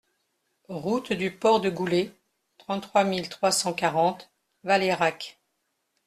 Route du Port de Goulée, trente-trois mille trois cent quarante Valeyrac